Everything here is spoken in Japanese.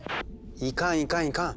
いかんいかんいかん。